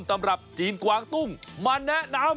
ตำรับจีนกวางตุ้งมาแนะนำ